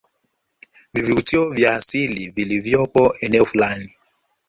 vivuvutio vya asili vilivyopo eneo fulani